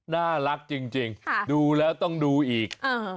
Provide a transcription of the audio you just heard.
น่ารักจริงดูแล้วต้องดูอีก